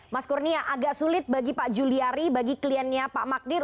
mas kurnia agak sulit bagi pak juliari bagi kliennya pak magdir